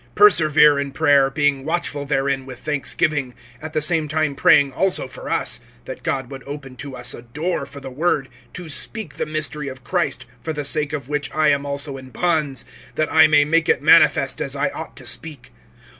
(2)Persevere in prayer, being watchful therein with thanksgiving; (3)at the same time praying also for us, that God would open to us a door for the word, to speak the mystery of Christ, for the sake of which I am also in bonds, (4)that I may make it manifest, as I ought to speak.